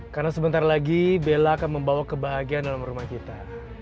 karena sebentar lagi bella akan membawa kebahagiaan dalam rumah kita